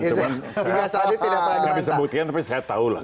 gak bisa buktikan tapi saya tahu lah